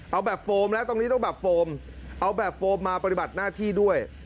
เอาแบบโฟมแล้วตรงนี้ต้องแบบโฟมเอาแบบโฟมมาปฏิบัติหน้าที่ด้วย